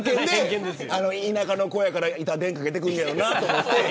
田舎の子だから、いた電かけてくるんだろうなと思って。